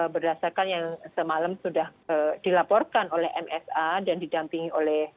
berdasarkan yang semalam sudah dilaporkan oleh msa dan didampingi oleh